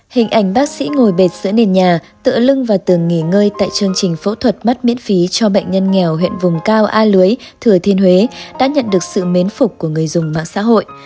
hình ảnh bác sĩ ngồi bệt giữa nền nhà tự lưng và từng nghỉ ngơi tại chương trình phẫu thuật mắt miễn phí cho bệnh nhân nghèo huyện vùng cao a lưới thừa thiên huế đã nhận được sự mến phục của người dùng mạng xã hội